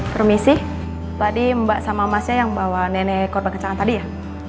permisi tadi mbak sama masnya yang bawa nenek korban kecelakaan tadi ya